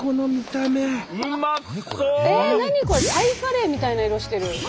タイカレーみたいな色してる。